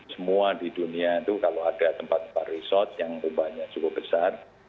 semua di dunia itu kalau ada tempat tempat resort yang jumlahnya cukup besar